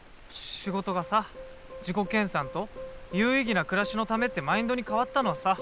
仕事がさ自己研さんと有意義な暮らしのためってマインドに変わったのはさ。